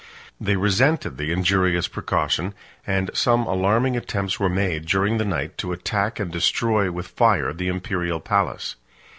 They resented the injurious precaution; and some alarming attempts were made, during the night, to attack and destroy with fire the Imperial palace.